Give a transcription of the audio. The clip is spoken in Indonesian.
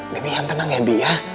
bi bi ian tenang ya bi ya